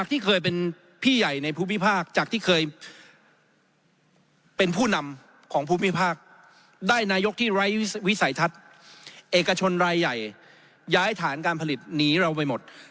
ท่านนายกที่ไร้วิสัยทัศน์เอกชนรายใหญ่ย้ายฐานการผลิตหนีเราไปหมด